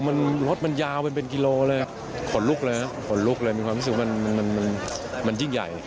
มันรถมันยาวเป็นกิโลเลยขนลุกเลยขนลุกเลยมีความรู้สึกว่ามันมันยิ่งใหญ่